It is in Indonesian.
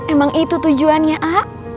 emang itu tujuannya a